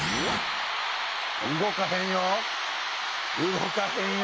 「動かへんよ。